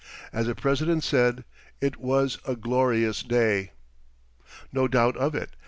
As the President said, it was a glorious day. No doubt of it.